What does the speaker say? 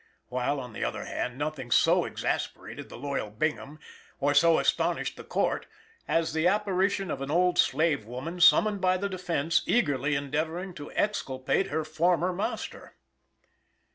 While, on the other hand, nothing so exasperated the loyal Bingham or so astonished the Court as the apparition of an old slave woman, summoned by the defense, eagerly endeavoring to exculpate her former master.